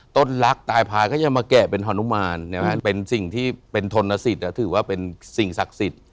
ต้นลักษณ์ตายพลายก็ยังมาแก่เป็นฮนุมารเนี่ยฮะเป็นสิ่งที่เป็นทนนสิทธิ์อ่ะถือว่าเป็นสิ่งศักดิ์สิทธิ์